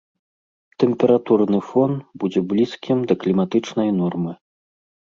Тэмпературны фон будзе блізкім да кліматычнай нормы.